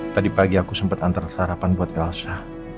tadi pagi aku sempet antar sarapan buat elsa